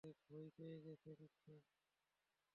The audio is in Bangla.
ভয় পেয়ে গেছে নিশ্চয়ই।